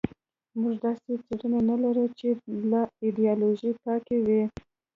موږ داسې څېړنې نه لرو چې له ایدیالوژۍ پاکې وي.